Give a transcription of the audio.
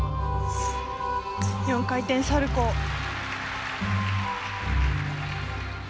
４回転サルコー。